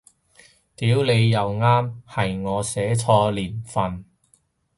屌你又啱，係我寫錯年份